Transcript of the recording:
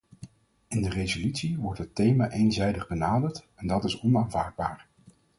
In de resolutie wordt het thema eenzijdig benaderd, en dat is onaanvaardbaar.